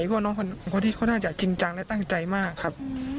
เพราะว่าน้องคนที่เขาน่าจะจริงจังและตั้งใจมากครับ